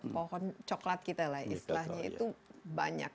pohon coklat kita lah istilahnya itu banyak